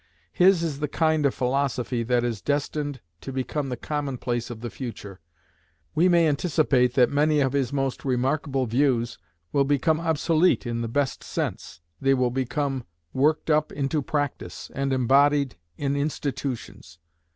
His is the kind of philosophy that is destined to become the commonplace of the future. We may anticipate that many of his most remarkable views will become obsolete in the best sense: they will become worked up into practice, and embodied in institutions.